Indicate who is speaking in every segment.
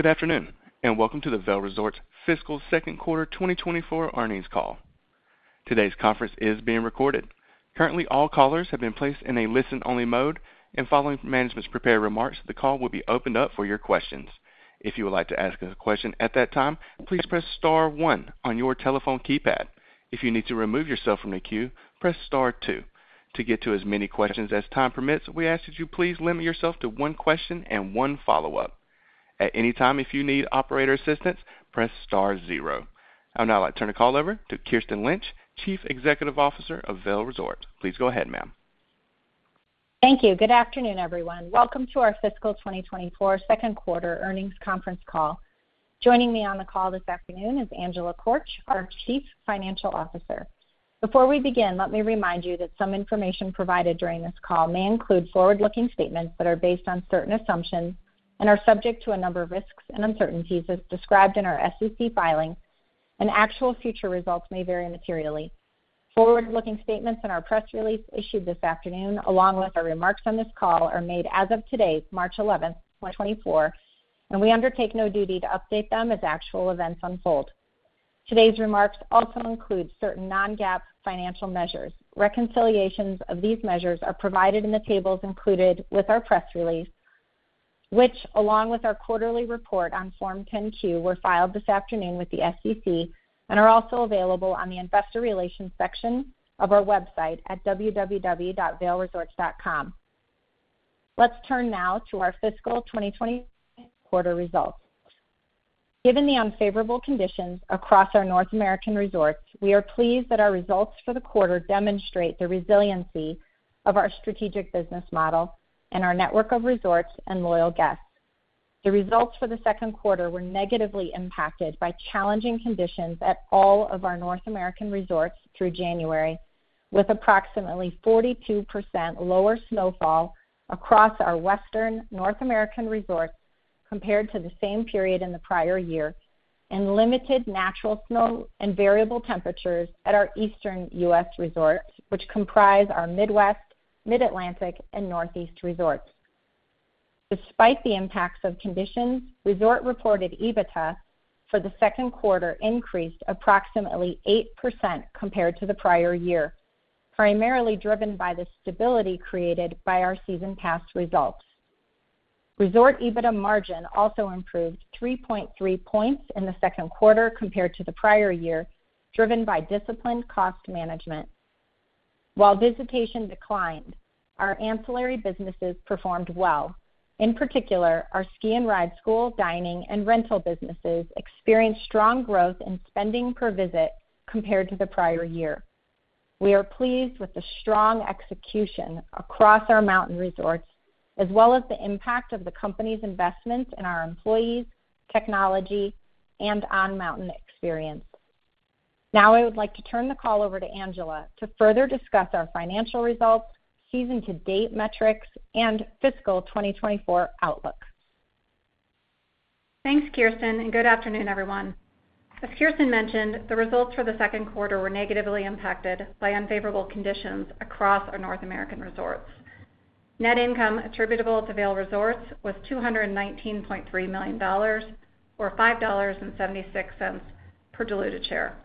Speaker 1: Good afternoon and welcome to the Vail Resorts Fiscal Second Quarter 2024 Earnings Call. Today's conference is being recorded. Currently, all callers have been placed in a listen-only mode, and following management's prepared remarks, the call will be opened up for your questions. If you would like to ask a question at that time, please press star one on your telephone keypad. If you need to remove yourself from the queue, press star two. To get to as many questions as time permits, we ask that you please limit yourself to one question and one follow-up. At any time, if you need operator assistance, press star zero. I would now like to turn the call over to Kirsten Lynch, Chief Executive Officer of Vail Resorts. Please go ahead, ma'am.
Speaker 2: Thank you. Good afternoon, everyone. Welcome to our Fiscal 2024 Second Quarter Earnings Conference Call. Joining me on the call this afternoon is Angela Korch, our Chief Financial Officer. Before we begin, let me remind you that some information provided during this call may include forward-looking statements that are based on certain assumptions and are subject to a number of risks and uncertainties as described in our SEC filing, and actual future results may vary materially. Forward-looking statements in our press release issued this afternoon, along with our remarks on this call, are made as of today, March 11, 2024, and we undertake no duty to update them as actual events unfold. Today's remarks also include certain non-GAAP financial measures. Reconciliations of these measures are provided in the tables included with our press release, which, along with our quarterly report on Form 10-Q, were filed this afternoon with the SEC and are also available on the Investor Relations section of our website at www.vailresorts.com. Let's turn now to our Fiscal 2024 quarter results. Given the unfavorable conditions across our North American resorts, we are pleased that our results for the quarter demonstrate the resiliency of our strategic business model and our network of resorts and loyal guests. The results for the second quarter were negatively impacted by challenging conditions at all of our North American resorts through January, with approximately 42% lower snowfall across our western North American resorts compared to the same period in the prior year, and limited natural snow and variable temperatures at our eastern U.S. resorts, which comprise our Midwest, Mid-Atlantic, and Northeast resorts. Despite the impacts of conditions, Resort Reported EBITDA for the second quarter increased approximately 8% compared to the prior year, primarily driven by the stability created by our season pass results. Resort EBITDA margin also improved 3.3 points in the second quarter compared to the prior year, driven by disciplined cost management. While visitation declined, our ancillary businesses performed well. In particular, our Ski and Ride School, dining, and rental businesses experienced strong growth in spending per visit compared to the prior year. We are pleased with the strong execution across our mountain resorts, as well as the impact of the company's investments in our employees, technology, and on-mountain experience. Now I would like to turn the call over to Angela to further discuss our financial results, season-to-date metrics, and Fiscal 2024 outlook.
Speaker 3: Thanks, Kirsten, and good afternoon, everyone. As Kirsten mentioned, the results for the second quarter were negatively impacted by unfavorable conditions across our North American resorts. Net income attributable to Vail Resorts was $219.3 million, or $5.76 per diluted share,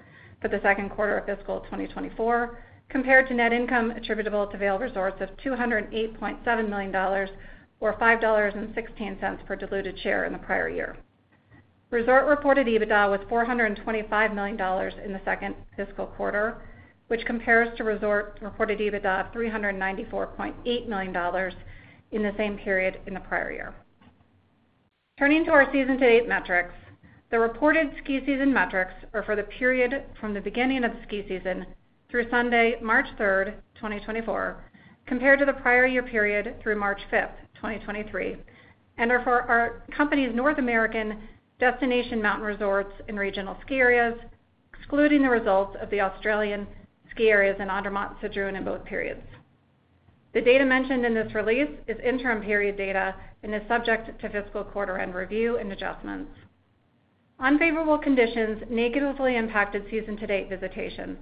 Speaker 3: for the second quarter of Fiscal 2024 compared to net income attributable to Vail Resorts of $208.7 million, or $5.16 per diluted share in the prior year. Resort Reported EBITDA was $425 million in the second fiscal quarter, which compares to resort Reported EBITDA of $394.8 million in the same period in the prior year. Turning to our season-to-date metrics, the reported ski season metrics are for the period from the beginning of the ski season through Sunday, March 3rd, 2024, compared to the prior year period through March 5, 2023, and are for our company's North American destination mountain resorts and regional ski areas, excluding the results of the Australian ski areas, Andermatt-Sedrun, in both periods. The data mentioned in this release is interim period data and is subject to fiscal quarter-end review and adjustments. Unfavorable conditions negatively impacted season-to-date visitation,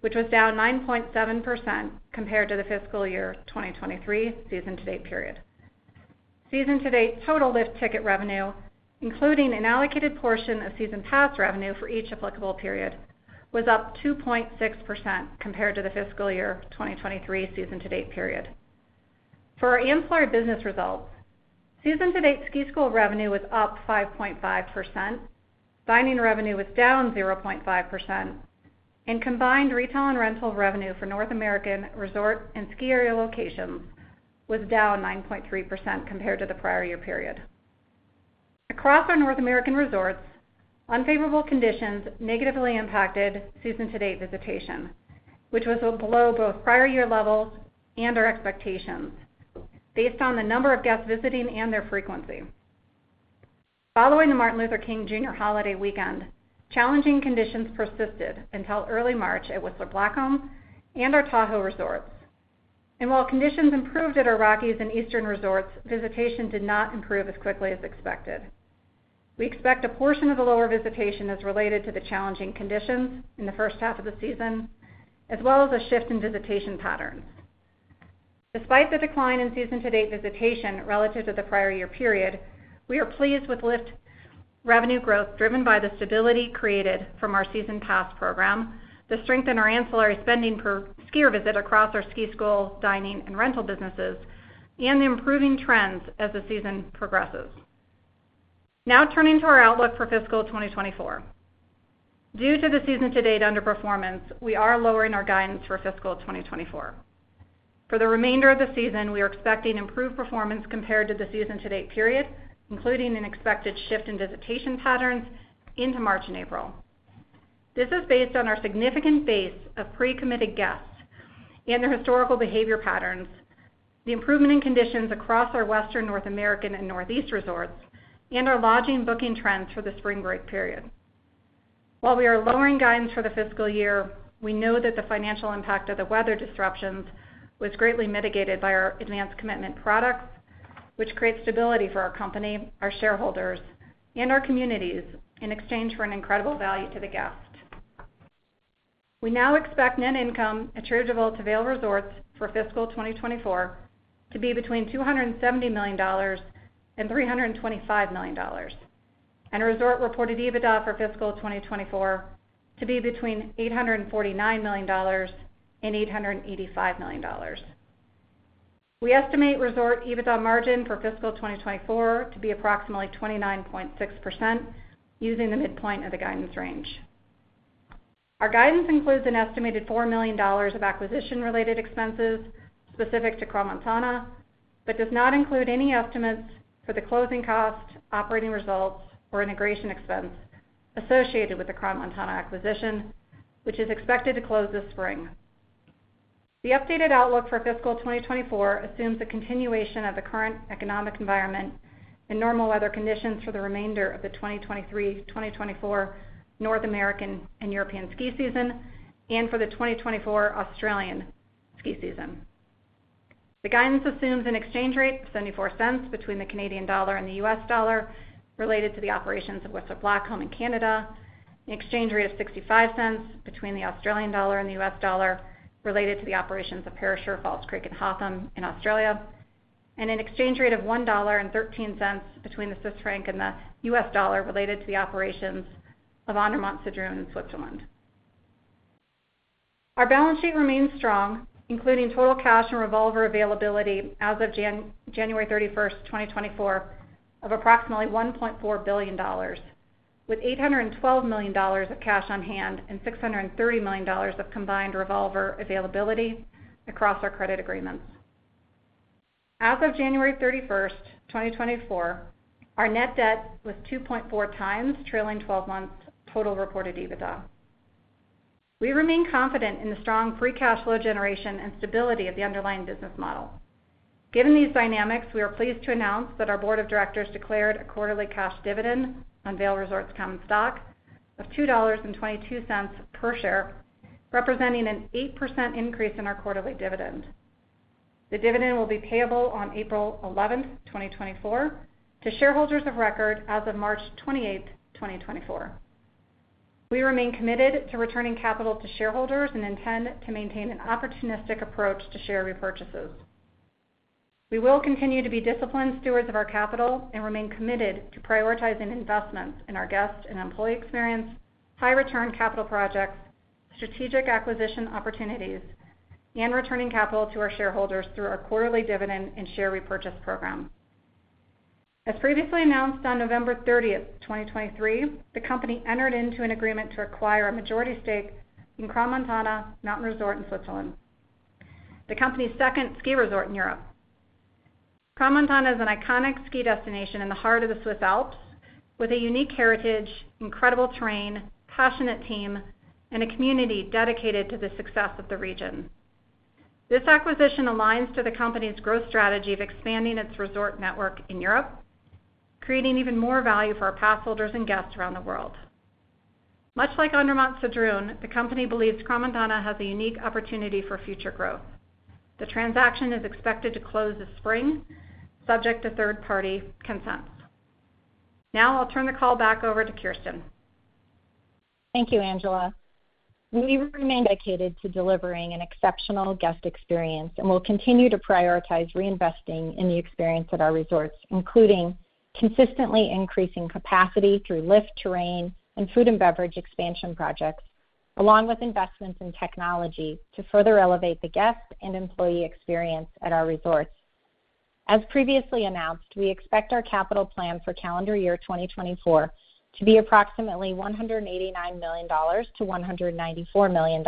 Speaker 3: which was down 9.7% compared to the fiscal year 2023 season-to-date period. Season-to-date total lift ticket revenue, including an allocated portion of season pass revenue for each applicable period, was up 2.6% compared to the fiscal year 2023 season-to-date period. For our ancillary business results, season-to-date ski school revenue was up 5.5%, dining revenue was down 0.5%, and combined retail and rental revenue for North American resort and ski area locations was down 9.3% compared to the prior year period. Across our North American resorts, unfavorable conditions negatively impacted season-to-date visitation, which was below both prior year levels and our expectations based on the number of guests visiting and their frequency. Following the Martin Luther King Jr. holiday weekend, challenging conditions persisted until early March at Whistler Blackcomb and our Tahoe resorts. While conditions improved at our Rockies and eastern resorts, visitation did not improve as quickly as expected. We expect a portion of the lower visitation as related to the challenging conditions in the first half of the season, as well as a shift in visitation patterns. Despite the decline in season-to-date visitation relative to the prior year period, we are pleased with lift revenue growth driven by the stability created from our season pass program, the strength in our ancillary spending per skier visit across our ski school, dining, and rental businesses, and the improving trends as the season progresses. Now turning to our outlook for Fiscal 2024. Due to the season-to-date underperformance, we are lowering our guidance for Fiscal 2024. For the remainder of the season, we are expecting improved performance compared to the season-to-date period, including an expected shift in visitation patterns into March and April. This is based on our significant base of pre-committed guests and their historical behavior patterns, the improvement in conditions across our western North American and Northeast resorts, and our lodging booking trends for the spring break period. While we are lowering guidance for the fiscal year, we know that the financial impact of the weather disruptions was greatly mitigated by our advanced commitment products, which create stability for our company, our shareholders, and our communities in exchange for an incredible value to the guest. We now expect net income attributable to Vail Resorts for Fiscal 2024 to be between $270 million and $325 million, and Resort Reported EBITDA for Fiscal 2024 to be between $849 million and $885 million. We estimate Resort Reported EBITDA margin for Fiscal 2024 to be approximately 29.6% using the midpoint of the guidance range. Our guidance includes an estimated $4 million of acquisition-related expenses specific to Crans-Montana, but does not include any estimates for the closing cost, operating results, or integration expense associated with the Crans-Montana acquisition, which is expected to close this spring. The updated outlook for Fiscal 2024 assumes a continuation of the current economic environment and normal weather conditions for the remainder of the 2023-2024 North American and European ski season and for the 2024 Australian ski season. The guidance assumes an exchange rate of $0.74 between the Canadian dollar and the U.S. dollar related to the operations of Whistler Blackcomb in Canada, an exchange rate of $0.65 between the Australian dollar and the U.S. dollar related to the operations of Perisher, Falls Creek, and Hotham in Australia, and an exchange rate of $1.13 between the Swiss franc and the U.S. dollar related to the operations of Andermatt-Sedrun in Switzerland. Our balance sheet remains strong, including total cash and revolver availability as of January 31st, 2024, of approximately $1.4 billion, with $812 million of cash on hand and $630 million of combined revolver availability across our credit agreements. As of January 31st, 2024, our net debt was 2.4x trailing 12 months total Reported EBITDA. We remain confident in the strong free cash flow generation and stability of the underlying business model. Given these dynamics, we are pleased to announce that our board of directors declared a quarterly cash dividend on Vail Resorts common stock of $2.22 per share, representing an 8% increase in our quarterly dividend. The dividend will be payable on April 11, 2024, to shareholders of record as of March 28, 2024. We remain committed to returning capital to shareholders and intend to maintain an opportunistic approach to share repurchases. We will continue to be disciplined stewards of our capital and remain committed to prioritizing investments in our guest and employee experience, high-return capital projects, strategic acquisition opportunities, and returning capital to our shareholders through our quarterly dividend and share repurchase program. As previously announced on November 30, 2023, the company entered into an agreement to acquire a majority stake in Crans-Montana Mountain Resort in Switzerland, the company's second ski resort in Europe. Crans-Montana is an iconic ski destination in the heart of the Swiss Alps with a unique heritage, incredible terrain, passionate team, and a community dedicated to the success of the region. This acquisition aligns to the company's growth strategy of expanding its resort network in Europe, creating even more value for our passholders and guests around the world. Much like Andermatt-Sedrun, the company believes Crans-Montana has a unique opportunity for future growth. The transaction is expected to close this spring, subject to third-party consents. Now I'll turn the call back over to Kirsten.
Speaker 2: Thank you, Angela. We remain dedicated to delivering an exceptional guest experience and will continue to prioritize reinvesting in the experience at our resorts, including consistently increasing capacity through lift, terrain, and food and beverage expansion projects, along with investments in technology to further elevate the guest and employee experience at our resorts. As previously announced, we expect our capital plan for calendar year 2024 to be approximately $189 million-$194 million,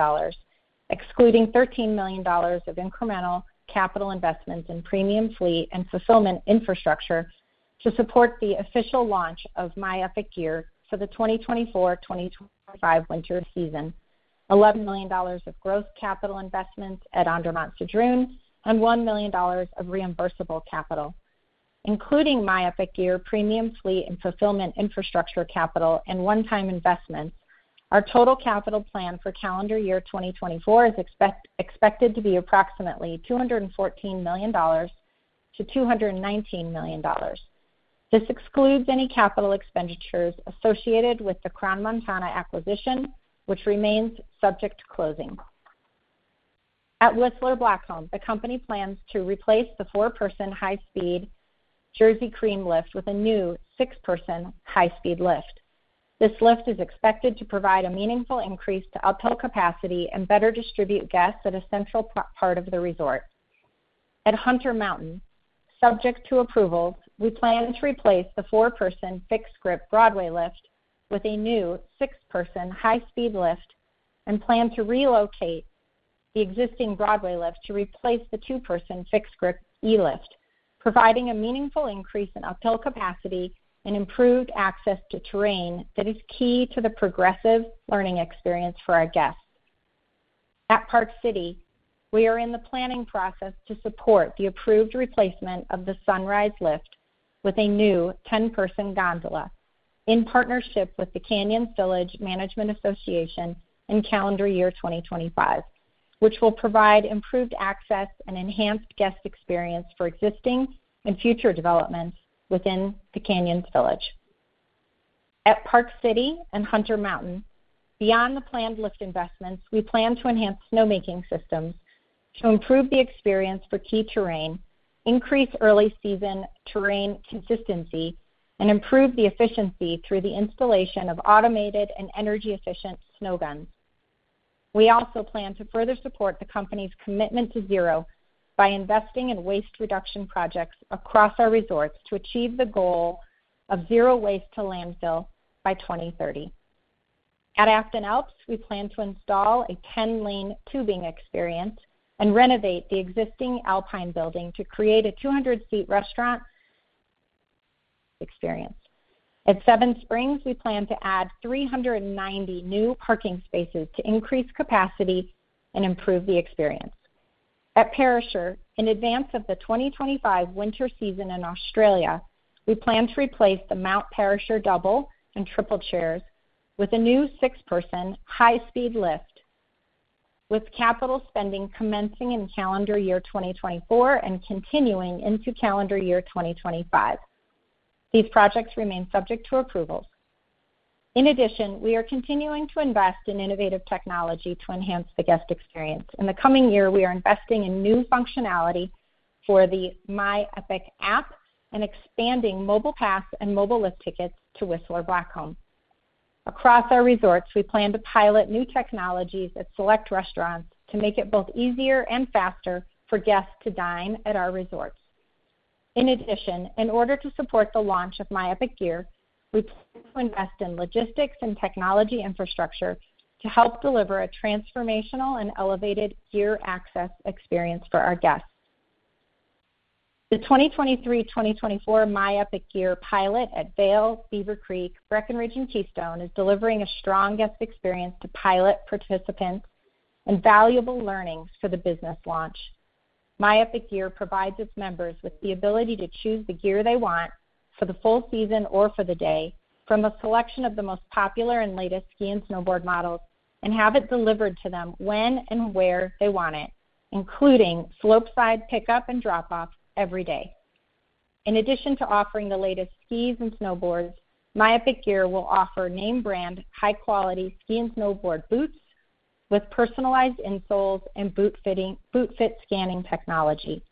Speaker 2: excluding $13 million of incremental capital investments in premium fleet and fulfillment infrastructure to support the official launch of My Epic Gear for the 2024-2025 winter season, $11 million of gross capital investments at Andermatt-Sedrun, and $1 million of reimbursable capital. Including My Epic Gear, premium fleet, and fulfillment infrastructure capital, and one-time investments, our total capital plan for calendar year 2024 is expected to be approximately $214 million-$219 million. This excludes any capital expenditures associated with the Crans-Montana acquisition, which remains subject to closing. At Whistler Blackcomb, the company plans to replace the four-person high-speed Jersey Cream lift with a new six-person high-speed lift. This lift is expected to provide a meaningful increase to uphill capacity and better distribute guests at a central part of the resort. At Hunter Mountain, subject to approval, we plan to replace the four-person fixed grip Broadway lift with a new six-person high-speed lift and plan to relocate the existing Broadway lift to replace the two-person fixed grip E lift, providing a meaningful increase in uphill capacity and improved access to terrain that is key to the progressive learning experience for our guests. At Park City, we are in the planning process to support the approved replacement of the Sunrise lift with a new 10-person gondola in partnership with the Canyons Village Management Association in calendar year 2025, which will provide improved access and enhanced guest experience for existing and future developments within the Canyons Village. At Park City and Hunter Mountain, beyond the planned lift investments, we plan to enhance snowmaking systems to improve the experience for key terrain, increase early season terrain consistency, and improve the efficiency through the installation of automated and energy-efficient snow guns. We also plan to further support the company's Commitment to Zero by investing in waste reduction projects across our resorts to achieve the goal of zero waste to landfill by 2030. At Afton Alps, we plan to install a 10-lane tubing experience and renovate the existing Alpine building to create a 200-seat restaurant experience. At Seven Springs, we plan to add 390 new parking spaces to increase capacity and improve the experience. At Perisher, in advance of the 2025 winter season in Australia, we plan to replace the Mount Perisher double and triple chairs with a new six-person high-speed lift, with capital spending commencing in calendar year 2024 and continuing into calendar year 2025. These projects remain subject to approvals. In addition, we are continuing to invest in innovative technology to enhance the guest experience. In the coming year, we are investing in new functionality for the My Epic app and expanding mobile pass and mobile lift tickets to Whistler Blackcomb. Across our resorts, we plan to pilot new technologies at select restaurants to make it both easier and faster for guests to dine at our resorts. In addition, in order to support the launch of My Epic Gear, we plan to invest in logistics and technology infrastructure to help deliver a transformational and elevated gear access experience for our guests. The 2023-2024 My Epic Gear pilot at Vail, Beaver Creek, Breckenridge, and Keystone is delivering a strong guest experience to pilot participants and valuable learnings for the business launch. My Epic Gear provides its members with the ability to choose the gear they want for the full season or for the day from a selection of the most popular and latest ski and snowboard models and have it delivered to them when and where they want it, including slopeside pickup and drop-off every day. In addition to offering the latest skis and snowboards, My Epic Gear will offer name-brand, high-quality ski and snowboard boots with personalized insoles and boot fit scanning technology.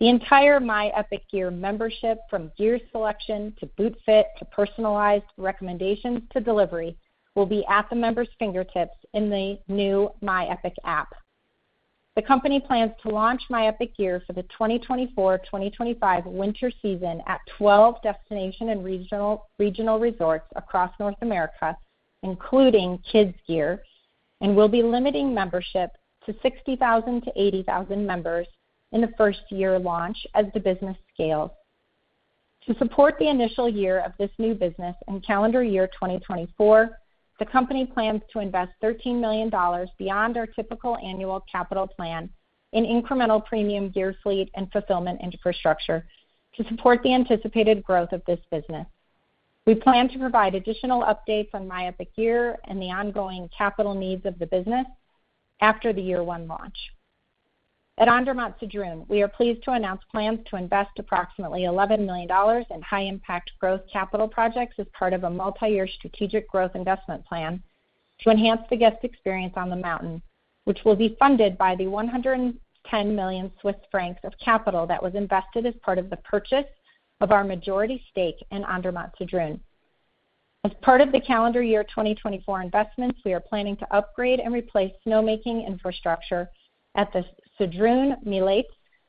Speaker 2: The entire My Epic Gear membership, from gear selection to boot fit to personalized recommendations to delivery, will be at the member's fingertips in the new My Epic app. The company plans to launch My Epic Gear for the 2024-2025 winter season at 12 destination and regional resorts across North America, including kids' gear, and will be limiting membership to 60,000-80,000 members in the first year launch as the business scales. To support the initial year of this new business and calendar year 2024, the company plans to invest $13 million beyond our typical annual capital plan in incremental premium gear fleet and fulfillment infrastructure to support the anticipated growth of this business. We plan to provide additional updates on My Epic Gear and the ongoing capital needs of the business after the year one launch. At Andermatt-Sedrun, we are pleased to announce plans to invest approximately $11 million in high-impact growth capital projects as part of a multi-year strategic growth investment plan to enhance the guest experience on the mountain, which will be funded by the 110 million Swiss francs of capital that was invested as part of the purchase of our majority stake in Andermatt-Sedrun. As part of the calendar year 2024 investments, we are planning to upgrade and replace snowmaking infrastructure at the Sedrun Milez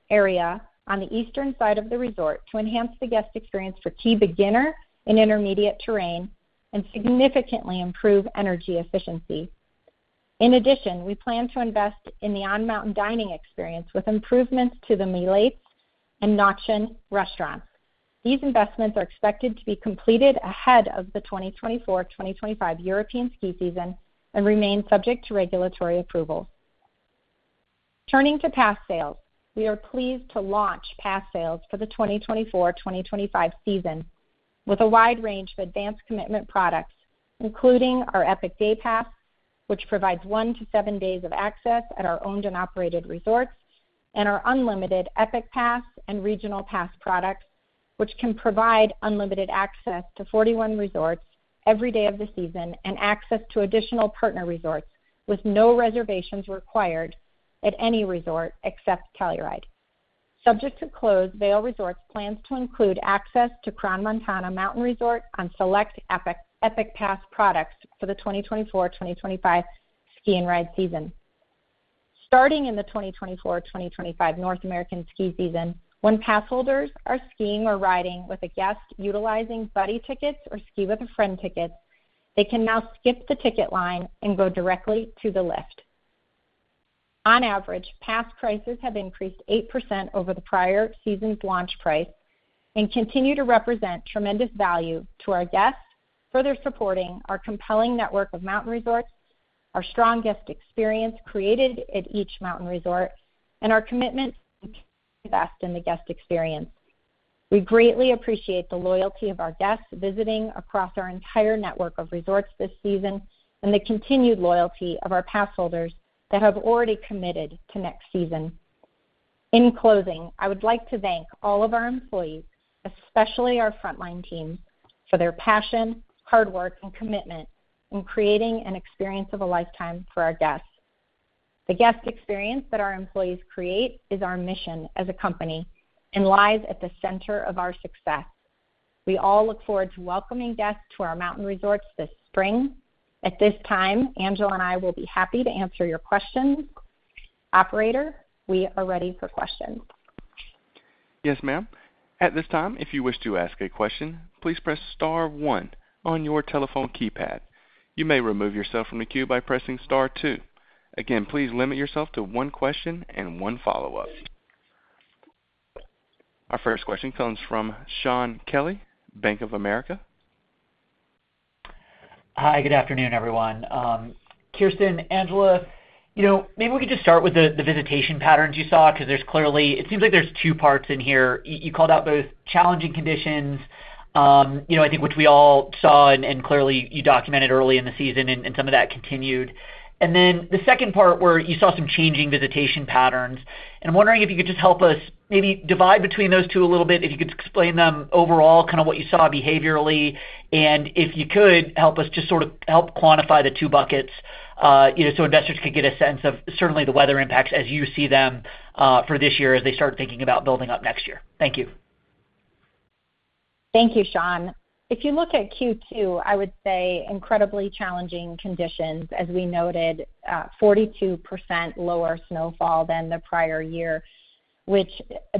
Speaker 2: area on the eastern side of the resort to enhance the guest experience for key beginner and intermediate terrain and significantly improve energy efficiency. In addition, we plan to invest in the on-mountain dining experience with improvements to the Milez and Nätschen restaurants. These investments are expected to be completed ahead of the 2024-2025 European ski season and remain subject to regulatory approvals. Turning to pass sales, we are pleased to launch pass sales for the 2024-2025 season with a wide range of advanced commitment products, including our Epic Day Pass, which provides one to seven days of access at our owned and operated resorts, and our unlimited Epic Pass and regional pass products, which can provide unlimited access to 41 resorts every day of the season and access to additional partner resorts with no reservations required at any resort except Telluride. Subject to close, Vail Resorts plans to include access to Crans-Montana on select Epic Pass products for the 2024-2025 ski and ride season. Starting in the 2024-2025 North American ski season, when passholders are skiing or riding with a guest utilizing buddy tickets or Ski With A Friend tickets, they can now skip the ticket line and go directly to the lift. On average, pass prices have increased 8% over the prior season's launch price and continue to represent tremendous value to our guests, further supporting our compelling network of mountain resorts, our strong guest experience created at each mountain resort, and our commitment to invest in the guest experience. We greatly appreciate the loyalty of our guests visiting across our entire network of resorts this season and the continued loyalty of our passholders that have already committed to next season. In closing, I would like to thank all of our employees, especially our frontline teams, for their passion, hard work, and commitment in creating an experience of a lifetime for our guests. The guest experience that our employees create is our mission as a company and lies at the center of our success. We all look forward to welcoming guests to our mountain resorts this spring. At this time, Angela and I will be happy to answer your questions. Operator, we are ready for questions.
Speaker 1: Yes, ma'am. At this time, if you wish to ask a question, please press star one on your telephone keypad. You may remove yourself from the queue by pressing star two. Again, please limit yourself to one question and one follow-up. Our first question comes from Shaun Kelley, Bank of America.
Speaker 4: Hi. Good afternoon, everyone. Kirsten, Angela, maybe we could just start with the visitation patterns you saw because there's clearly it seems like there's two parts in here. You called out both challenging conditions, I think, which we all saw and clearly you documented early in the season, and some of that continued. And then the second part where you saw some changing visitation patterns. And I'm wondering if you could just help us maybe divide between those two a little bit, if you could explain them overall, kind of what you saw behaviorally, and if you could help us just sort of help quantify the two buckets so investors could get a sense of certainly the weather impacts as you see them for this year as they start thinking about building up next year. Thank you.
Speaker 2: Thank you, Shaun. If you look at Q2, I would say incredibly challenging conditions. As we noted, 42% lower snowfall than the prior year, which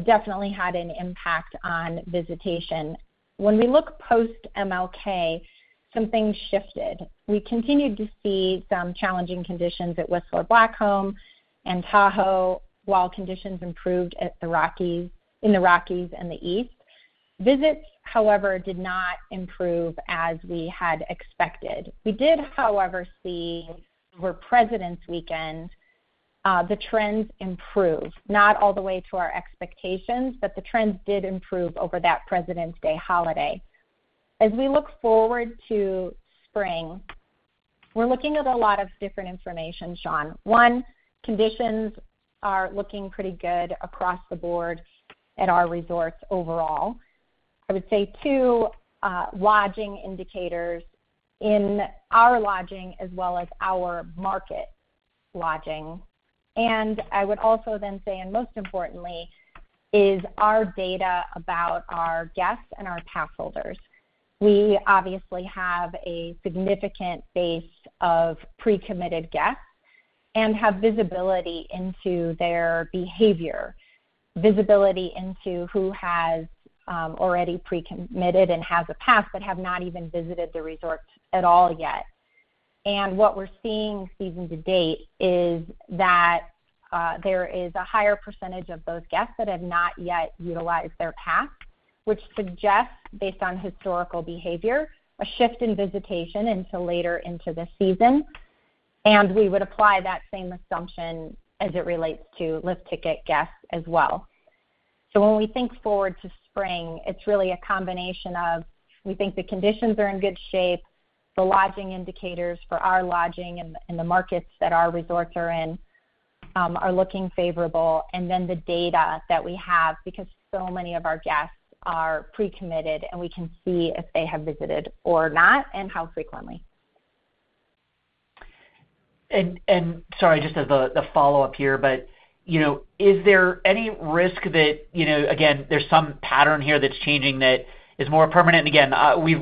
Speaker 2: definitely had an impact on visitation. When we look post-MLK, some things shifted. We continued to see some challenging conditions at Whistler Blackcomb and Tahoe while conditions improved in the Rockies and the East. Visits, however, did not improve as we had expected. We did, however, see over President's Weekend, the trends improve, not all the way to our expectations, but the trends did improve over that President's Day holiday. As we look forward to spring, we're looking at a lot of different information, Shaun. One, conditions are looking pretty good across the board at our resorts overall. I would say two, lodging indicators in our lodging as well as our market lodging. And I would also then say, and most importantly, is our data about our guests and our passholders. We obviously have a significant base of precommitted guests and have visibility into their behavior, visibility into who has already precommitted and has a pass but have not even visited the resorts at all yet. And what we're seeing season to date is that there is a higher percentage of those guests that have not yet utilized their pass, which suggests, based on historical behavior, a shift in visitation later into the season. And we would apply that same assumption as it relates to lift ticket guests as well. So when we think forward to spring, it's really a combination of we think the conditions are in good shape, the lodging indicators for our lodging and the markets that our resorts are in are looking favorable, and then the data that we have because so many of our guests are precommitted, and we can see if they have visited or not and how frequently.
Speaker 4: Sorry, just as the follow-up here, but is there any risk that again, there's some pattern here that's changing that is more permanent? And again,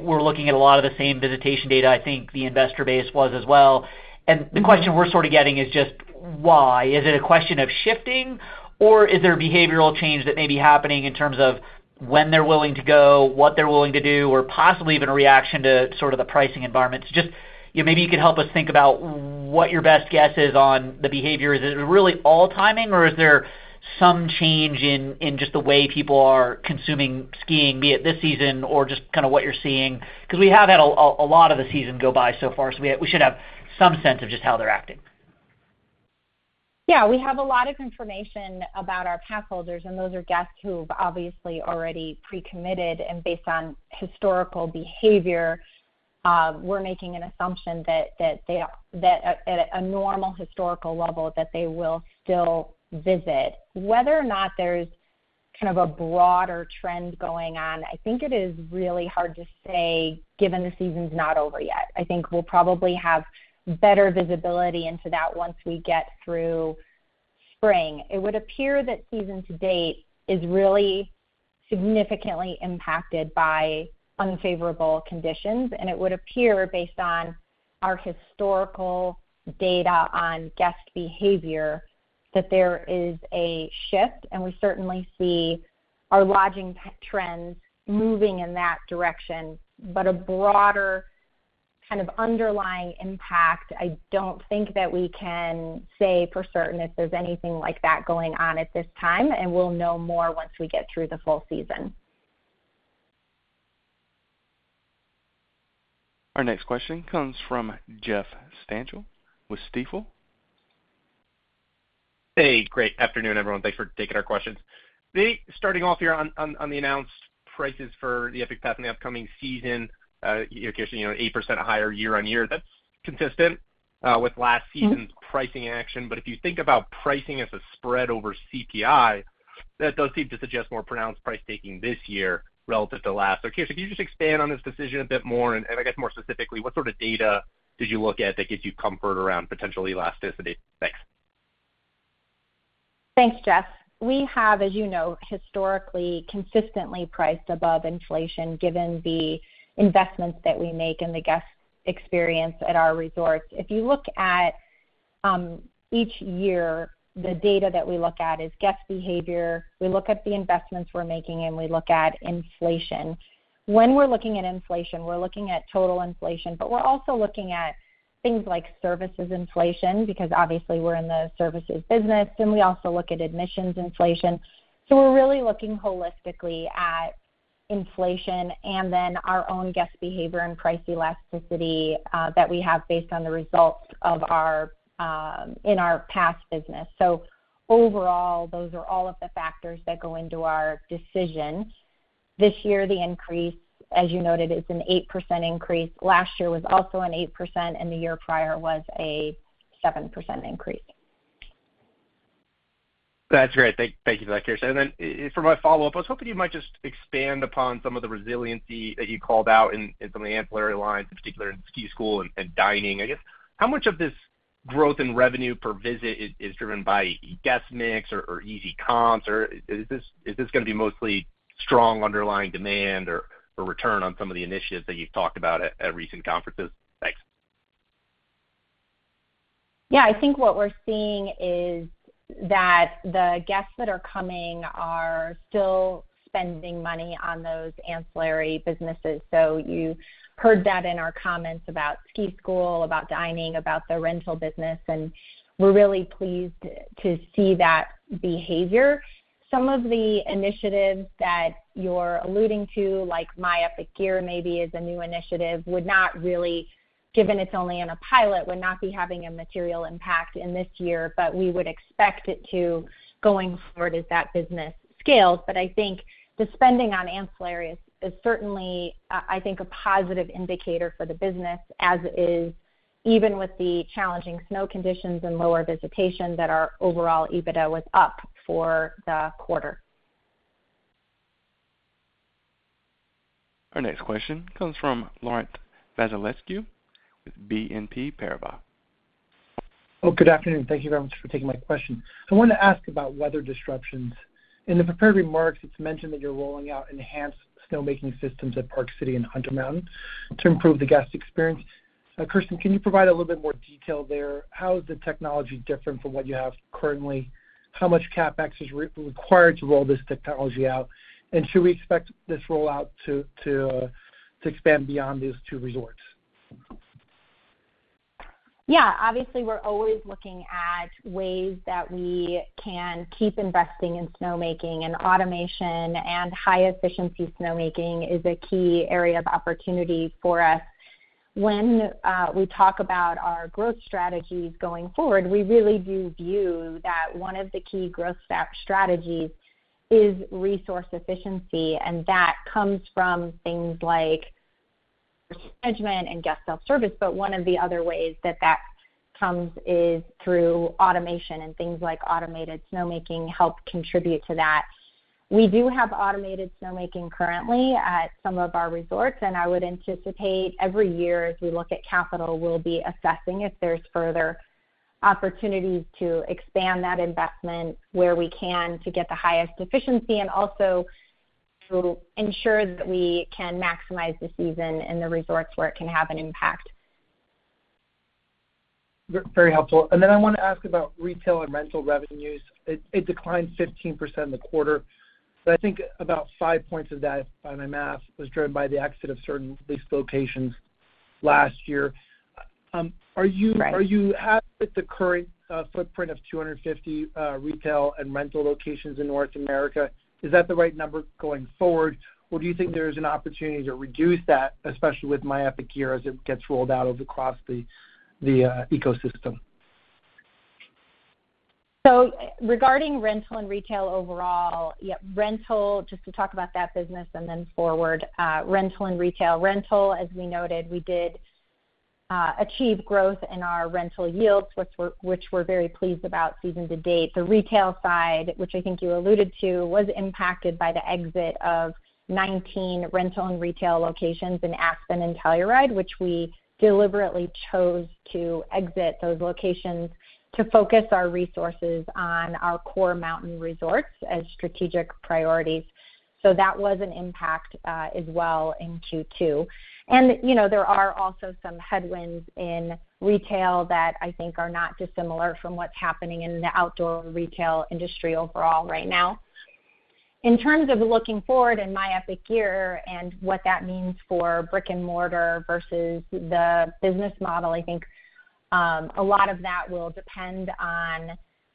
Speaker 4: we're looking at a lot of the same visitation data, I think the investor base was as well. And the question we're sort of getting is just why? Is it a question of shifting, or is there a behavioral change that may be happening in terms of when they're willing to go, what they're willing to do, or possibly even a reaction to sort of the pricing environment? So just maybe you could help us think about what your best guess is on the behavior. Is it really all timing, or is there some change in just the way people are consuming skiing, be it this season or just kind of what you're seeing? Because we have had a lot of the season go by so far, so we should have some sense of just how they're acting.
Speaker 2: Yeah. We have a lot of information about our passholders, and those are guests who've obviously already precommitted. Based on historical behavior, we're making an assumption that at a normal historical level, that they will still visit. Whether or not there's kind of a broader trend going on, I think it is really hard to say given the season's not over yet. I think we'll probably have better visibility into that once we get through spring. It would appear that season to date is really significantly impacted by unfavorable conditions. It would appear, based on our historical data on guest behavior, that there is a shift. We certainly see our lodging trends moving in that direction. But a broader kind of underlying impact, I don't think that we can say for certain if there's anything like that going on at this time. We'll know more once we get through the full season.
Speaker 1: Our next question comes from Jeff Stantial with Stifel.
Speaker 5: Hey. Great afternoon, everyone. Thanks for taking our questions. Starting off here on the announced prices for the Epic Pass in the upcoming season, Kirsten, 8% higher year-over-year. That's consistent with last season's pricing action. But if you think about pricing as a spread over CPI, that does seem to suggest more pronounced price taking this year relative to last. So Kirsten, could you just expand on this decision a bit more? And I guess more specifically, what sort of data did you look at that gives you comfort around potential elasticity? Thanks.
Speaker 2: Thanks, Jeff. We have, as you know, historically consistently priced above inflation given the investments that we make in the guest experience at our resorts. If you look at each year, the data that we look at is guest behavior. We look at the investments we're making, and we look at inflation. When we're looking at inflation, we're looking at total inflation, but we're also looking at things like services inflation because obviously, we're in the services business. We also look at admissions inflation. We're really looking holistically at inflation and then our own guest behavior and price elasticity that we have based on the results in our pass business. Overall, those are all of the factors that go into our decision. This year, the increase, as you noted, is an 8% increase. Last year was also an 8%, and the year prior was a 7% increase.
Speaker 5: That's great. Thank you for that, Kirsten. And then for my follow-up, I was hoping you might just expand upon some of the resiliency that you called out in some of the ancillary lines, in particular in ski school and dining. I guess how much of this growth in revenue per visit is driven by guest mix or easy comps? Or is this going to be mostly strong underlying demand or return on some of the initiatives that you've talked about at recent conferences? Thanks.
Speaker 2: Yeah. I think what we're seeing is that the guests that are coming are still spending money on those ancillary businesses. So you heard that in our comments about ski school, about dining, about the rental business. And we're really pleased to see that behavior. Some of the initiatives that you're alluding to, like My Epic Gear maybe is a new initiative, would not really given it's only in a pilot, would not be having a material impact in this year. But we would expect it to going forward as that business scales. But I think the spending on ancillary is certainly, I think, a positive indicator for the business as it is even with the challenging snow conditions and lower visitation that our overall EBITDA was up for the quarter.
Speaker 1: Our next question comes from Laurent Vasilescu with BNP Paribas.
Speaker 6: Oh, good afternoon. Thank you very much for taking my question. I wanted to ask about weather disruptions. In the prepared remarks, it's mentioned that you're rolling out enhanced snowmaking systems at Park City and Hunter Mountain to improve the guest experience. Kirsten, can you provide a little bit more detail there? How is the technology different from what you have currently? How much CapEx is required to roll this technology out? And should we expect this rollout to expand beyond these two resorts?
Speaker 2: Yeah. Obviously, we're always looking at ways that we can keep investing in snowmaking. Automation and high-efficiency snowmaking is a key area of opportunity for us. When we talk about our growth strategies going forward, we really do view that one of the key growth strategies is resource efficiency. That comes from things like resource management and guest self-service. But one of the other ways that that comes is through automation. Things like automated snowmaking help contribute to that. We do have automated snowmaking currently at some of our resorts. I would anticipate every year, as we look at capital, we'll be assessing if there's further opportunities to expand that investment where we can to get the highest efficiency and also ensure that we can maximize the season in the resorts where it can have an impact.
Speaker 6: Very helpful. And then I want to ask about retail and rental revenues. It declined 15% in the quarter. But I think about five points of that, by my math, was driven by the exit of certain leased locations last year. Are you happy with the current footprint of 250 retail and rental locations in North America? Is that the right number going forward? Or do you think there's an opportunity to reduce that, especially with My Epic Gear as it gets rolled out across the ecosystem?
Speaker 2: So regarding rental and retail overall, yep, rental, just to talk about that business and then forward, rental and retail. Rental, as we noted, we did achieve growth in our rental yields, which we're very pleased about season to date. The retail side, which I think you alluded to, was impacted by the exit of 19 rental and retail locations in Aspen and Telluride, which we deliberately chose to exit those locations to focus our resources on our core mountain resorts as strategic priorities. So that was an impact as well in Q2. And there are also some headwinds in retail that I think are not dissimilar from what's happening in the outdoor retail industry overall right now. In terms of looking forward in My Epic Gear and what that means for brick and mortar versus the business model, I think a lot of that will depend on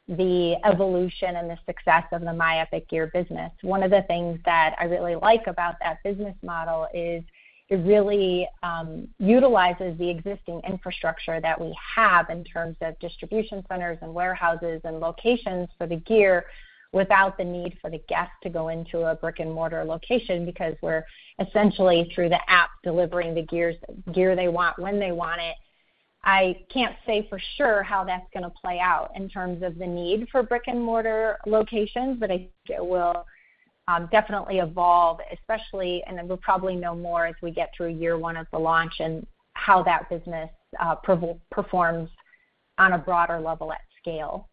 Speaker 2: the evolution and the success of the My Epic Gear business. One of the things that I really like about that business model is it really utilizes the existing infrastructure that we have in terms of distribution centers and warehouses and locations for the gear without the need for the guest to go into a brick and mortar location because we're essentially, through the app, delivering the gear they want when they want it. I can't say for sure how that's going to play out in terms of the need for brick and mortar locations, but I think it will definitely evolve, especially and then we'll probably know more as we get through year one of the launch and how that business performs on a broader level at scale.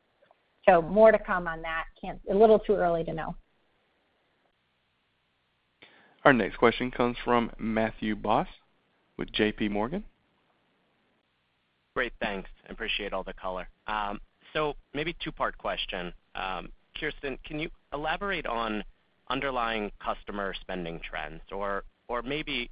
Speaker 2: More to come on that. A little too early to know.
Speaker 1: Our next question comes from Matthew Boss with JPMorgan.
Speaker 7: Great. Thanks. Appreciate all the color. So maybe two-part question. Kirsten, can you elaborate on underlying customer spending trends? Or maybe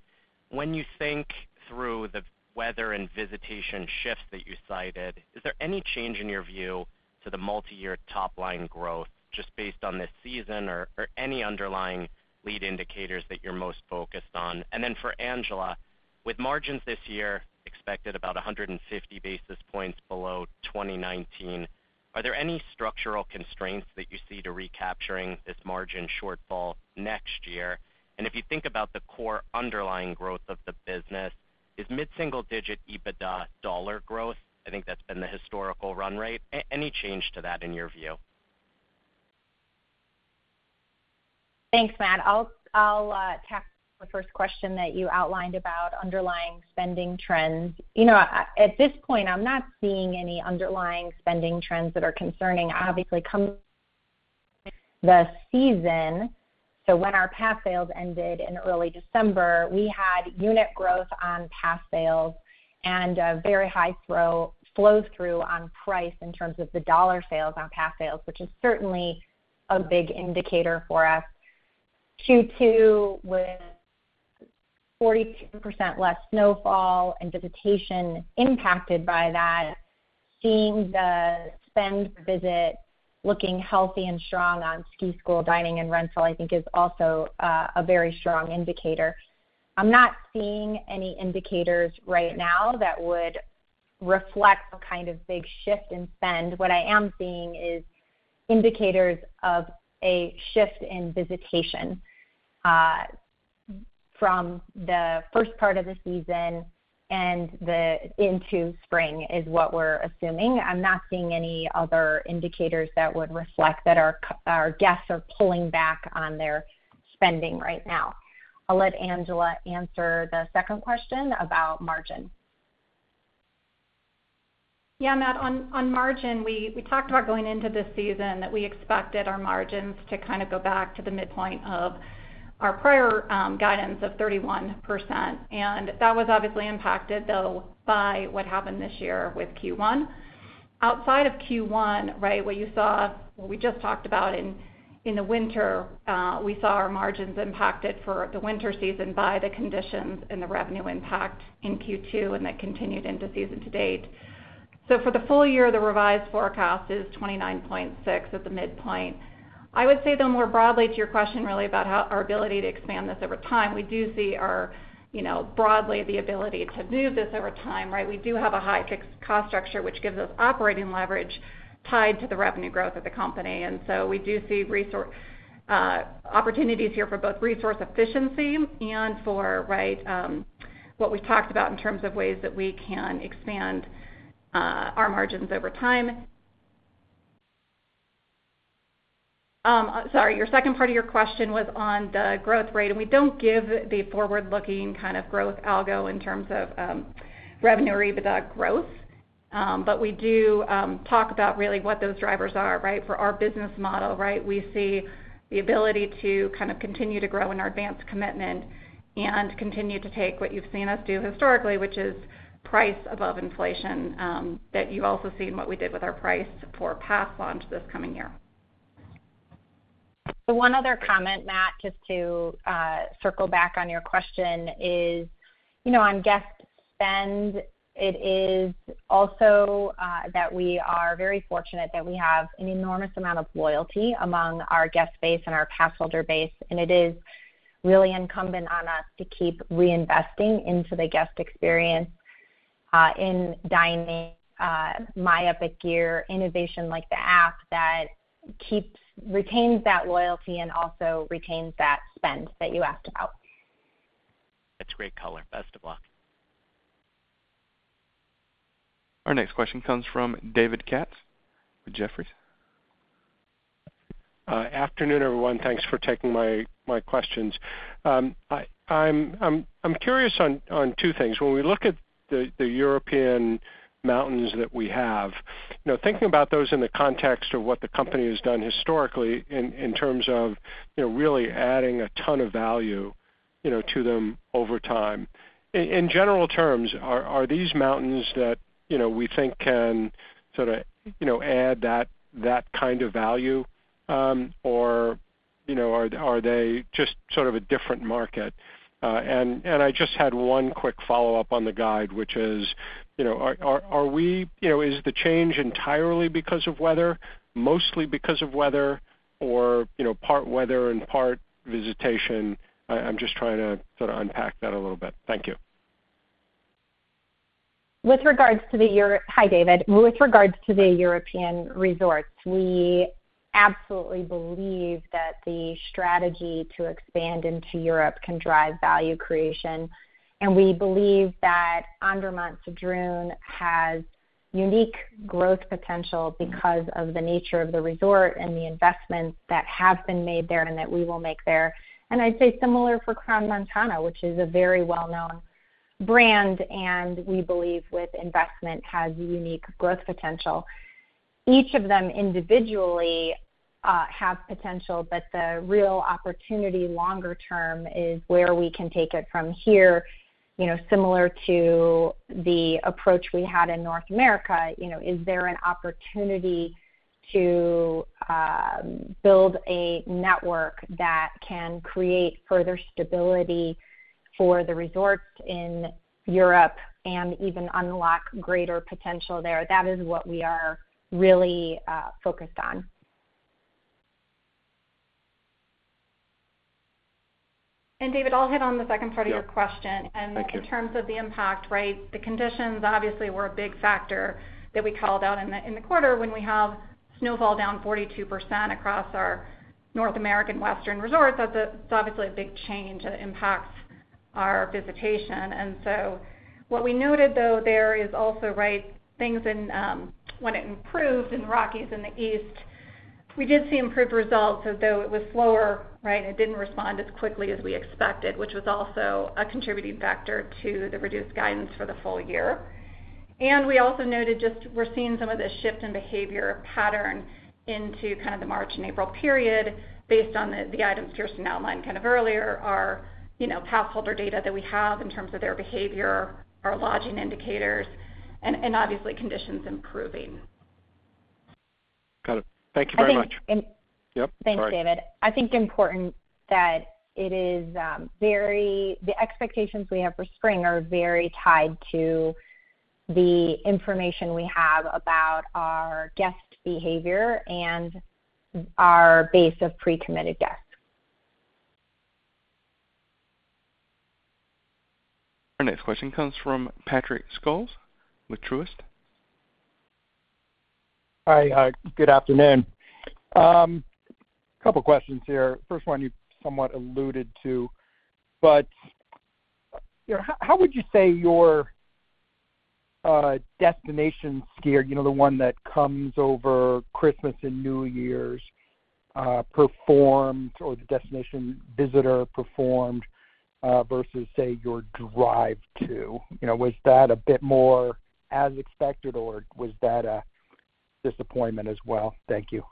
Speaker 7: when you think through the weather and visitation shifts that you cited, is there any change in your view to the multi-year top-line growth just based on this season or any underlying lead indicators that you're most focused on? And then for Angela, with margins this year expected about 150 basis points below 2019, are there any structural constraints that you see to recapturing this margin shortfall next year? And if you think about the core underlying growth of the business, is mid-single-digit EBITDA dollar growth I think that's been the historical run rate. Any change to that in your view?
Speaker 2: Thanks, Matt. I'll tackle the first question that you outlined about underlying spending trends. At this point, I'm not seeing any underlying spending trends that are concerning. Obviously, coming the season so when our pass sales ended in early December, we had unit growth on pass sales and a very high flow-through on price in terms of the dollar sales on pass sales, which is certainly a big indicator for us. Q2 with 42% less snowfall and visitation impacted by that, seeing the spend per visit looking healthy and strong on ski school, dining, and rental, I think, is also a very strong indicator. I'm not seeing any indicators right now that would reflect a kind of big shift in spend. What I am seeing is indicators of a shift in visitation from the first part of the season into spring is what we're assuming. I'm not seeing any other indicators that would reflect that our guests are pulling back on their spending right now. I'll let Angela answer the second question about margin.
Speaker 3: Yeah, Matt. On margin, we talked about going into this season that we expected our margins to kind of go back to the midpoint of our prior guidance of 31%. And that was obviously impacted, though, by what happened this year with Q1. Outside of Q1, right, what you saw, what we just talked about in the winter, we saw our margins impacted for the winter season by the conditions and the revenue impact in Q2 and that continued into season to date. So for the full year, the revised forecast is 29.6% at the midpoint. I would say, though, more broadly to your question, really, about our ability to expand this over time, we do see broadly the ability to move this over time, right? We do have a high fixed cost structure, which gives us operating leverage tied to the revenue growth of the company. So we do see opportunities here for both resource efficiency and for what we've talked about in terms of ways that we can expand our margins over time. Sorry. Your second part of your question was on the growth rate. We don't give the forward-looking kind of growth algo in terms of revenue or EBITDA growth. We do talk about, really, what those drivers are, right? For our business model, right, we see the ability to kind of continue to grow in our advanced commitment and continue to take what you've seen us do historically, which is price above inflation that you've also seen what we did with our price for pass launch this coming year.
Speaker 2: One other comment, Matt, just to circle back on your question is on guest spend. It is also that we are very fortunate that we have an enormous amount of loyalty among our guest base and our passholder base. It is really incumbent on us to keep reinvesting into the guest experience in dining, My Epic Gear, innovation like the app that retains that loyalty and also retains that spend that you asked about.
Speaker 7: That's great color. Best of luck.
Speaker 1: Our next question comes from David Katz with Jefferies.
Speaker 8: Afternoon, everyone. Thanks for taking my questions. I'm curious on two things. When we look at the European mountains that we have, thinking about those in the context of what the company has done historically in terms of really adding a ton of value to them over time, in general terms, are these mountains that we think can sort of add that kind of value? Or are they just sort of a different market? And I just had one quick follow-up on the guide, which is, are we is the change entirely because of weather, mostly because of weather, or part weather and part visitation? I'm just trying to sort of unpack that a little bit. Thank you.
Speaker 2: Hi, David. With regards to the European resorts, we absolutely believe that the strategy to expand into Europe can drive value creation. And we believe that Andermatt-Sedrun has unique growth potential because of the nature of the resort and the investments that have been made there and that we will make there. And I'd say similar for Crans-Montana, which is a very well-known brand. And we believe with investment has unique growth potential. Each of them individually has potential. But the real opportunity longer term is where we can take it from here. Similar to the approach we had in North America, is there an opportunity to build a network that can create further stability for the resorts in Europe and even unlock greater potential there? That is what we are really focused on.
Speaker 3: David, I'll hit on the second part of your question. In terms of the impact, right, the conditions, obviously, were a big factor that we called out in the quarter when we have snowfall down 42% across our North American Western resorts. That's obviously a big change that impacts our visitation. So what we noted, though, there is also, right, things in when it improved in the Rockies in the east, we did see improved results, although it was slower, right, and it didn't respond as quickly as we expected, which was also a contributing factor to the reduced guidance for the full year. We also noted just we're seeing some of this shift in behavior pattern into kind of the March and April period based on the items Kirsten outlined kind of earlier, our passholder data that we have in terms of their behavior, our lodging indicators, and obviously, conditions improving.
Speaker 8: Got it. Thank you very much.
Speaker 2: Thanks, David. I think it's important that the expectations we have for spring are very tied to the information we have about our guest behavior and our base of pre-committed guests.
Speaker 1: Our next question comes from Patrick Scholes with Truist.
Speaker 9: Hi. Good afternoon. A couple of questions here. First one, you somewhat alluded to. But how would you say your destination skier, the one that comes over Christmas and New Year's, performed or the destination visitor performed versus, say, your drive-to? Was that a bit more as expected, or was that a disappointment as well? Thank you.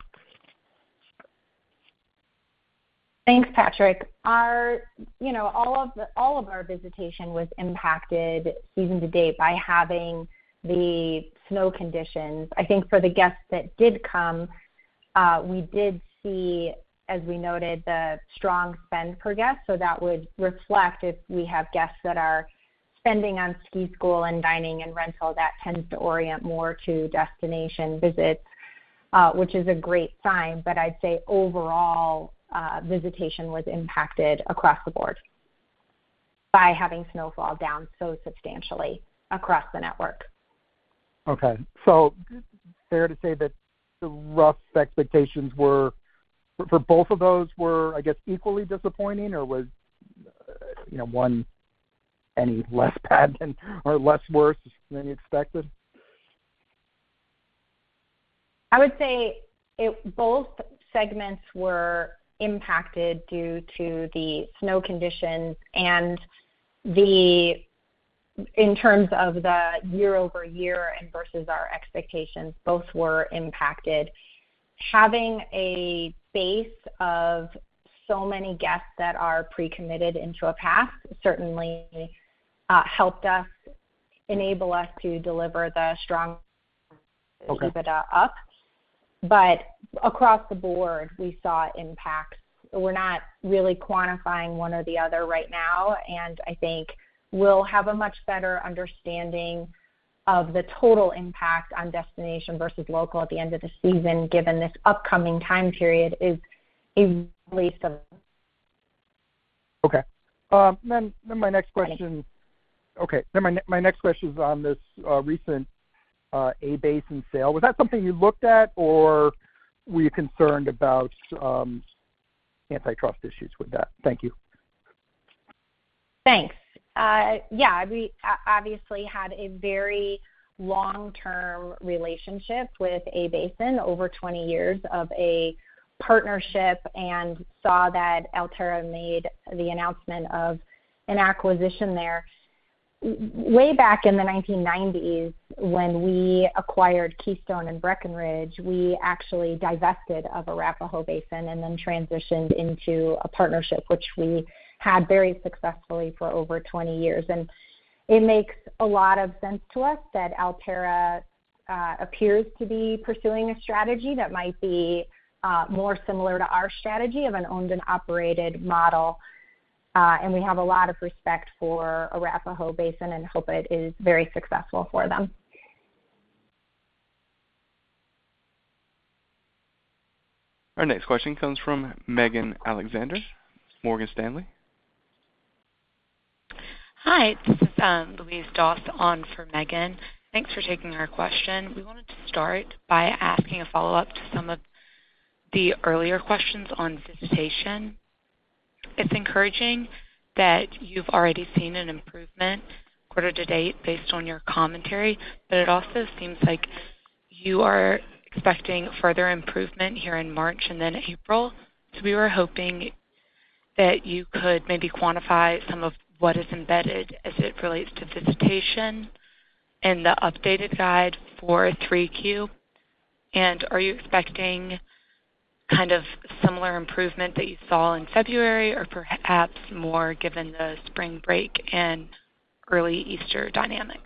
Speaker 2: Thanks, Patrick. All of our visitation was impacted season to date by having the snow conditions. I think for the guests that did come, we did see, as we noted, the strong spend per guest. So that would reflect if we have guests that are spending on ski school and dining and rental, that tends to orient more to destination visits, which is a great sign. But I'd say overall, visitation was impacted across the board by having snowfall down so substantially across the network.
Speaker 9: Okay. So is it fair to say that the rough expectations for both of those were, I guess, equally disappointing, or was one any less bad or less worse than you expected?
Speaker 2: I would say both segments were impacted due to the snow conditions. In terms of the year-over-year and versus our expectations, both were impacted. Having a base of so many guests that are pre-committed into a pass certainly helped us enable us to deliver the strong EBITDA up. Across the board, we saw impacts. We're not really quantifying one or the other right now. I think we'll have a much better understanding of the total impact on destination versus local at the end of the season given this upcoming time period is a release of.
Speaker 9: Okay. Then my next question is on this recent A Basin sale. Was that something you looked at, or were you concerned about antitrust issues with that? Thank you.
Speaker 2: Thanks. Yeah. We obviously had a very long-term relationship with A Basin, over 20 years of a partnership, and saw that Alterra made the announcement of an acquisition there. Way back in the 1990s, when we acquired Keystone and Breckenridge, we actually divested of Arapahoe Basin and then transitioned into a partnership, which we had very successfully for over 20 years. And it makes a lot of sense to us that Alterra appears to be pursuing a strategy that might be more similar to our strategy of an owned and operated model. And we have a lot of respect for Arapahoe Basin and hope it is very successful for them.
Speaker 1: Our next question comes from Megan Alexander, Morgan Stanley.
Speaker 10: Hi. This is Louise Doss on for Megan. Thanks for taking our question. We wanted to start by asking a follow-up to some of the earlier questions on visitation. It's encouraging that you've already seen an improvement quarter to date based on your commentary. It also seems like you are expecting further improvement here in March and then April. We were hoping that you could maybe quantify some of what is embedded as it relates to visitation in the updated guide for 3Q. Are you expecting kind of similar improvement that you saw in February or perhaps more given the spring break and early Easter dynamics?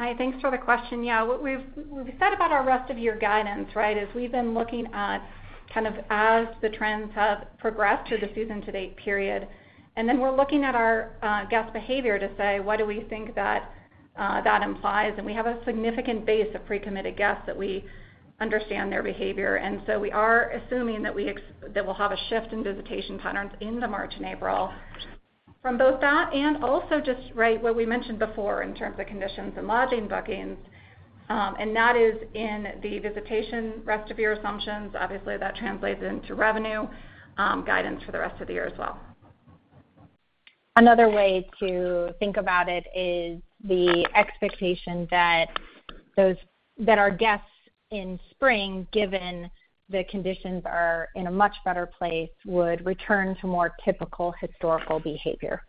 Speaker 3: Hi. Thanks for the question. Yeah. What we've said about our rest-of-year guidance, right, is we've been looking at kind of as the trends have progressed through the season-to-date period. And then we're looking at our guest behavior to say, "what do we think that that implies?" And we have a significant base of pre-committed guests that we understand their behavior. And so we are assuming that we'll have a shift in visitation patterns in March and April from both that and also just, right, what we mentioned before in terms of conditions and lodging bookings. And that is in the visitation rest-of-year assumptions. Obviously, that translates into revenue guidance for the rest of the year as well.
Speaker 2: Another way to think about it is the expectation that our guests in spring, given the conditions, are in a much better place, would return to more typical historical behavior.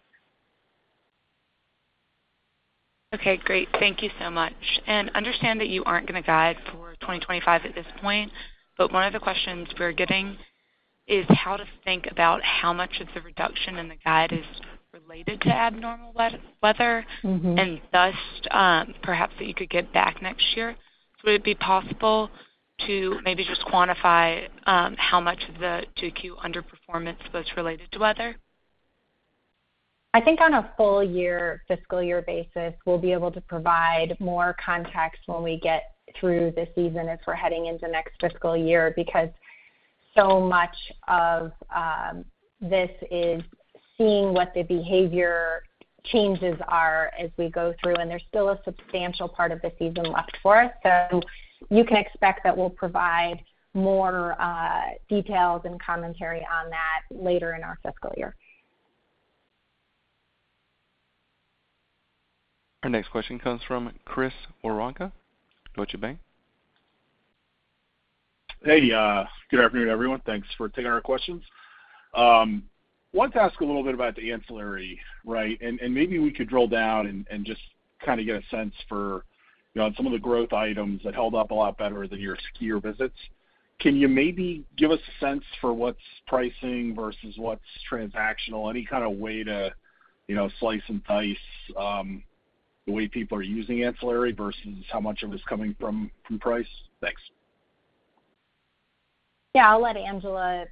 Speaker 10: Okay. Great. Thank you so much. And understand that you aren't going to guide for 2025 at this point. But one of the questions we're getting is how to think about how much of the reduction in the guide is related to abnormal weather and thus perhaps that you could get back next year. So would it be possible to maybe just quantify how much of the 2Q underperformance was related to weather?
Speaker 2: I think on a full-year fiscal year basis, we'll be able to provide more context when we get through the season as we're heading into next fiscal year because so much of this is seeing what the behavior changes are as we go through. There's still a substantial part of the season left for us. You can expect that we'll provide more details and commentary on that later in our fiscal year.
Speaker 1: Our next question comes from Chris Woronka, Deutsche Bank.
Speaker 11: Hey. Good afternoon, everyone. Thanks for taking our questions. I wanted to ask a little bit about the ancillary, right? And maybe we could drill down and just kind of get a sense for some of the growth items that held up a lot better than your skier visits. Can you maybe give us a sense for what's pricing versus what's transactional, any kind of way to slice and dice the way people are using ancillary versus how much of it's coming from price? Thanks.
Speaker 2: Yeah. I'll let Angela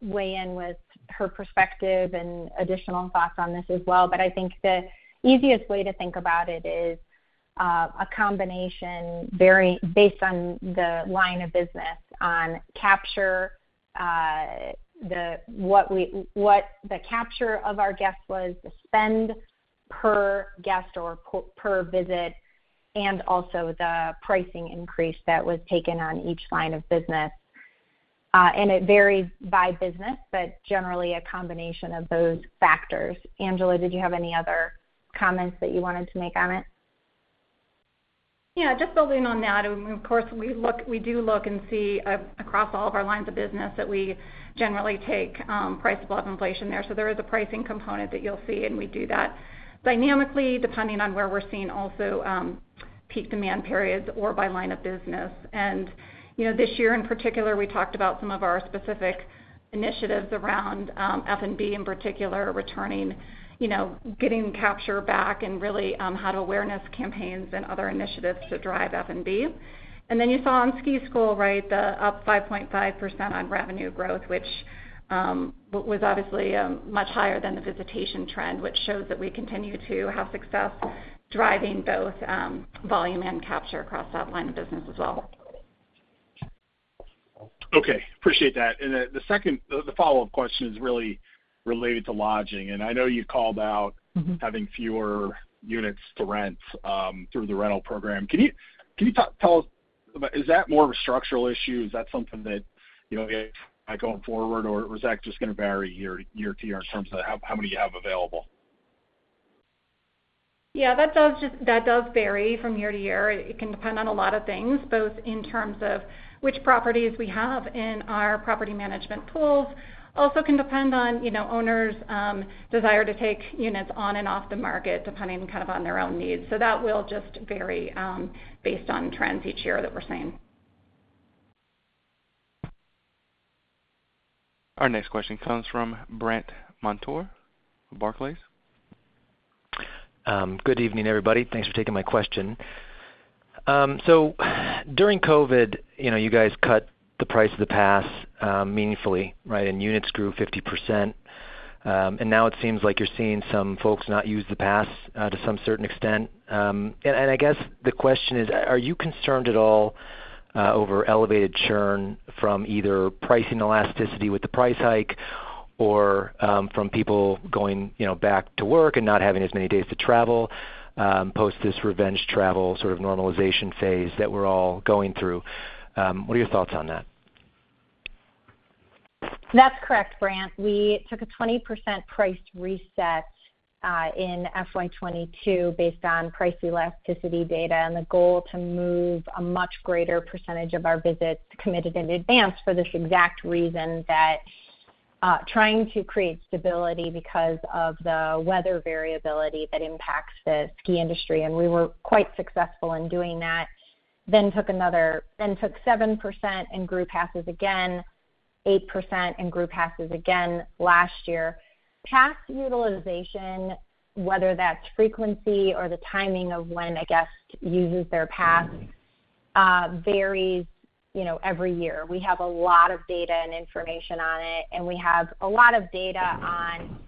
Speaker 2: weigh in with her perspective and additional thoughts on this as well. But I think the easiest way to think about it is a combination based on the line of business on capture what the capture of our guests was, the spend per guest or per visit, and also the pricing increase that was taken on each line of business. And it varies by business, but generally, a combination of those factors. Angela, did you have any other comments that you wanted to make on it?
Speaker 3: Yeah. Just building on that, of course, we do look and see across all of our lines of business that we generally take price above inflation there. So there is a pricing component that you'll see. And we do that dynamically depending on where we're seeing also peak demand periods or by line of business. And this year in particular, we talked about some of our specific initiatives around F&B in particular, getting capture back and really had awareness campaigns and other initiatives to drive F&B. And then you saw on ski school, right, the up 5.5% on revenue growth, which was obviously much higher than the visitation trend, which shows that we continue to have success driving both volume and capture across that line of business as well.
Speaker 11: Okay. Appreciate that. The follow-up question is really related to lodging. I know you called out having fewer units to rent through the rental program. Can you tell us, is that more of a structural issue? Is that something that you have going forward, or is that just going to vary year to year in terms of how many you have available?
Speaker 3: Yeah. That does vary from year to year. It can depend on a lot of things, both in terms of which properties we have in our property management pools, also can depend on owners' desire to take units on and off the market depending kind of on their own needs. So that will just vary based on trends each year that we're seeing.
Speaker 1: Our next question comes from Brandt Montour, Barclays.
Speaker 12: Good evening, everybody. Thanks for taking my question. So during COVID, you guys cut the price of the pass meaningfully, right, and units grew 50%. And now it seems like you're seeing some folks not use the pass to some certain extent. And I guess the question is, are you concerned at all over elevated churn from either pricing elasticity with the price hike or from people going back to work and not having as many days to travel post this revenge travel sort of normalization phase that we're all going through? What are your thoughts on that?
Speaker 2: That's correct, Brandt. We took a 20% price reset in FY 2022 based on price elasticity data and the goal to move a much greater percentage of our visits committed in advance for this exact reason that trying to create stability because of the weather variability that impacts the ski industry. And we were quite successful in doing that, then took another 7% and grew passes again, 8% and grew passes again last year. Pass utilization, whether that's frequency or the timing of when a guest uses their pass, varies every year. We have a lot of data and information on it. And we have a lot of data on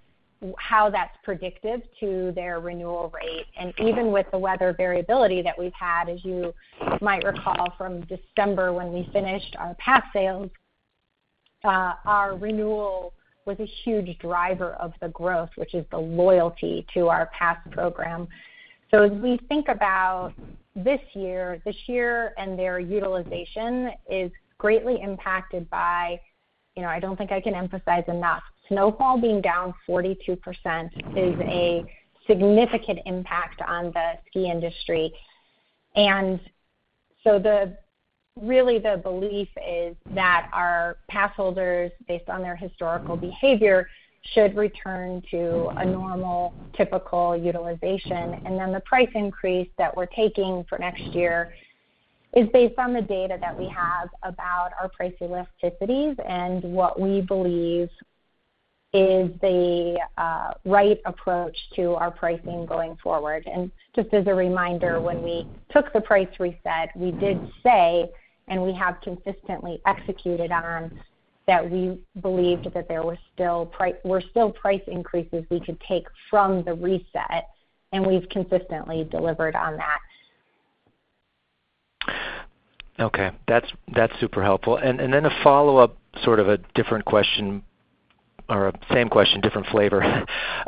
Speaker 2: how that's predictive to their renewal rate. Even with the weather variability that we've had, as you might recall from December when we finished our pass sales, our renewal was a huge driver of the growth, which is the loyalty to our pass program. As we think about this year, this year and their utilization is greatly impacted by I don't think I can emphasize enough. Snowfall being down 42% is a significant impact on the ski industry. So really, the belief is that our passholders, based on their historical behavior, should return to a normal, typical utilization. Then the price increase that we're taking for next year is based on the data that we have about our price elasticities and what we believe is the right approach to our pricing going forward. Just as a reminder, when we took the price reset, we did say, and we have consistently executed on, that we believed that there were still price increases we could take from the reset. And we've consistently delivered on that.
Speaker 12: Okay. That's super helpful. And then a follow-up sort of a different question or a same question, different flavor.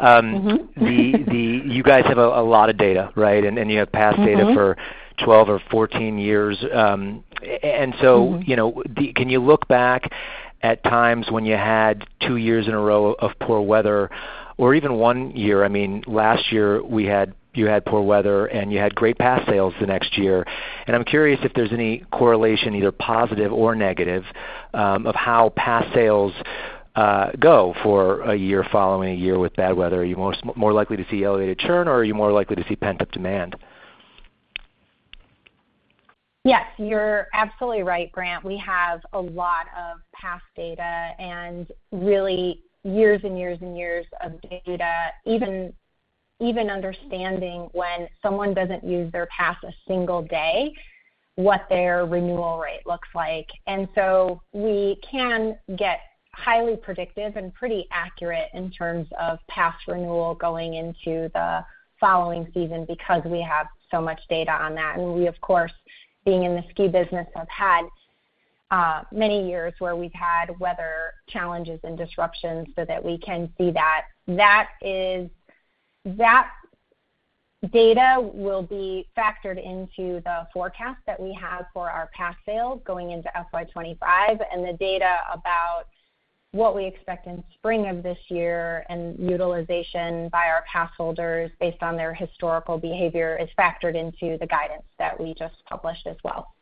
Speaker 12: You guys have a lot of data, right? And you have past data for 12 or 14 years. And so can you look back at times when you had two years in a row of poor weather or even one year? I mean, last year, you had poor weather, and you had great pass sales the next year. And I'm curious if there's any correlation, either positive or negative, of how pass sales go for a year following a year with bad weather. Are you more likely to see elevated churn, or are you more likely to see pent-up demand?
Speaker 2: Yes. You're absolutely right, Brandt. We have a lot of past data and really years and years and years of data, even understanding when someone doesn't use their pass a single day, what their renewal rate looks like. And so we can get highly predictive and pretty accurate in terms of pass renewal going into the following season because we have so much data on that. And we, of course, being in the ski business, have had many years where we've had weather challenges and disruptions so that we can see that. That data will be factored into the forecast that we have for our pass sales going into FY 2025. And the data about what we expect in spring of this year and utilization by our passholders based on their historical behavior is factored into the guidance that we just published as well.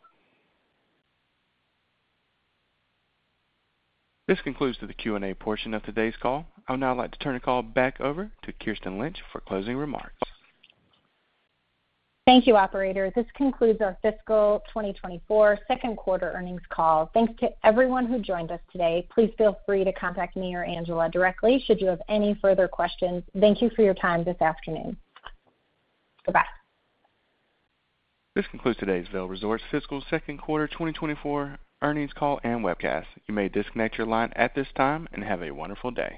Speaker 1: This concludes the Q&A portion of today's call. I would now like to turn the call back over to Kirsten Lynch for closing remarks.
Speaker 2: Thank you, operator. This concludes our Fiscal 2024 second quarter earnings call. Thanks to everyone who joined us today. Please feel free to contact me or Angela directly should you have any further questions. Thank you for your time this afternoon. Goodbye.
Speaker 1: This concludes today's Vail Resorts fiscal second quarter 2024 earnings call and webcast. You may disconnect your line at this time and have a wonderful day.